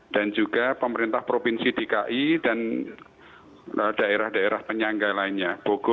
dan juga pemerintah provinsi dki dan daerah daerah penyangga lainnya